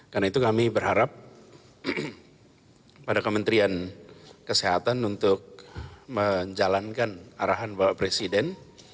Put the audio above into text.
karena itu kami berharap pada kementerian kesehatan untuk menjalankan arahan bapak presiden